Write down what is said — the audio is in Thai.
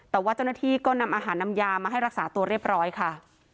แต่ว่าเจ้าหน้าที่ก็นำอาหารนำยามาให้รักษาตัวเรียบร้อยค่ะ